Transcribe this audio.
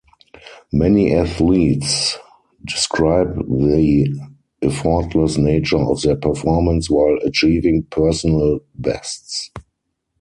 Many athletes describe the effortless nature of their performance while achieving personal bests.